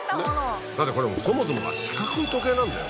だってこれそもそもが四角い時計なんだよ。